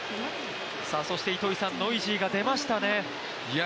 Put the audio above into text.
そして、糸井さん、ノイジーが出ましたね。